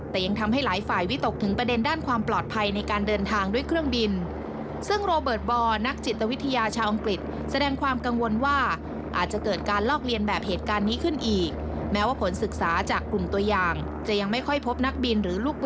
แต่ยังทำให้หลายฝ่ายวิตกถึงประเด็นด้านความปลอดภัยในการเดินทางด้วยเครื่องบิน